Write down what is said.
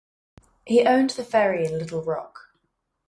He owned the ferry in Little Rock.